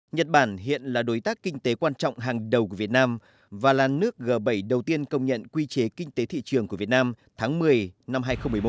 nhật bản hiện là đối tác kinh tế quan trọng hàng đầu của việt nam và là nước g bảy đầu tiên công nhận quy chế kinh tế thị trường của việt nam tháng một mươi năm hai nghìn một mươi bốn